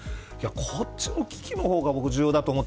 こっちの危機の方が僕、重要だと思って。